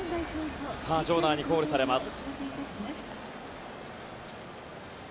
場内にコールされます。